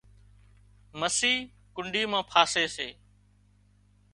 مسي ڪنڍي مان ڦاسي سي